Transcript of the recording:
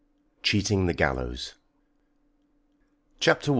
_" Cheating the Gallows. CHAPTER I.